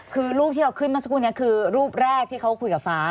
คือรูปที่เราขึ้นมาสักครู่นี้คือรูปแรกที่เขาคุยกับฟ้า